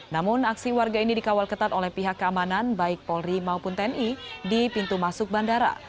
namun aksi warga ini dikawal ketat oleh pihak keamanan baik polri maupun tni di pintu masuk bandara